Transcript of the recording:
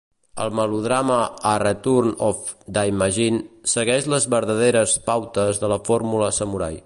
El melodrama a "Return of Daimajin" segueix les verdaderes pautes de la fórmula samurai.